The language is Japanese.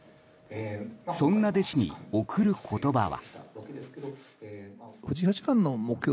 そんな弟子に贈る言葉は。